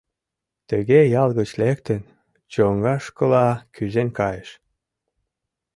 Тыге ял гыч лектын, чоҥгашкыла кӱзен кайыш.